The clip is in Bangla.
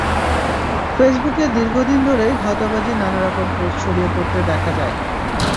ফেসবুকে দীর্ঘদিন ধরেই ভাঁওতাবাজির নানা রকম পোস্ট ছড়িয়ে পড়তে দেখা যায়।